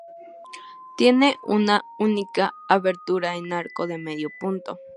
Tiene una única abertura en arco de medio punto.